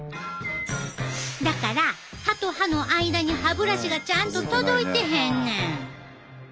だから歯と歯の間に歯ブラシがちゃんと届いてへんねん。